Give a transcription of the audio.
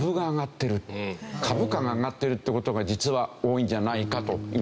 株価が上がってるっていう事が実は大きいんじゃないかというんですね。